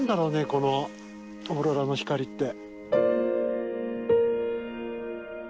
このオーロラの光って。